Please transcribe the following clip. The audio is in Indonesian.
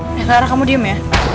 nanti kamu diem ya